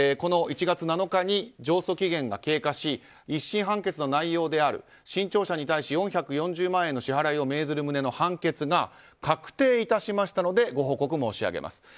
１月７日に上訴期限が経過し１審判決の内容である新潮社に対し４４０万円に支払いを命ずる旨の判決が確定致しましたのでご報告申し上げます。